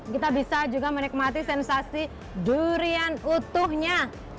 kita bisa juga menikmati sensasi durian utuhnya